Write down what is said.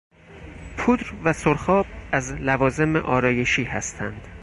پودر و سرخاب از لوازم آرایشی هستند.